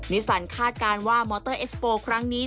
สันคาดการณ์ว่ามอเตอร์เอสโปร์ครั้งนี้